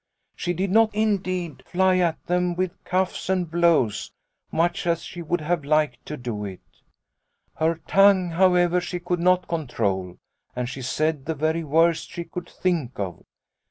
She did not indeed fly at them with cuffs and blows, much as she would have liked to do it. " Her tongue, however, she could not control, and she said the very worst she could think of.